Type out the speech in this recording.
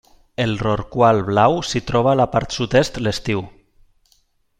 El rorqual blau s'hi troba a la part sud-est l'estiu.